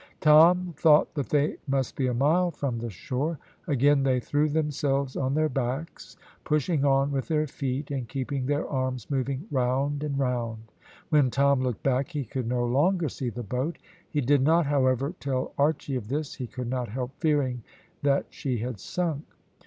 Tom thought that they must be a mile from the shore. Again they threw themselves on their backs, pushing on with their feet and keeping their arms moving round and round. When Tom looked back, he could no longer see the boat; he did not, however, tell Archy of this, he could not help fearing that she had sunk.